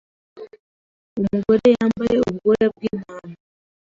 Umugore yambare ubwoya bwintama